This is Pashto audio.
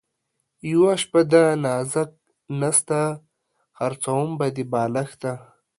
یوه شپه ده نازک نسته ـ خرڅوم به دې بالښته